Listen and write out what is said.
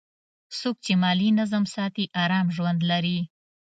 څوک چې مالي نظم ساتي، آرام ژوند لري.